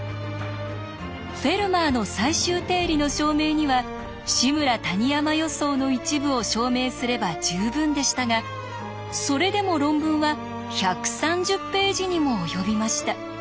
「フェルマーの最終定理」の証明には「志村−谷山予想」の一部を証明すれば十分でしたがそれでも論文は１３０ページにも及びました。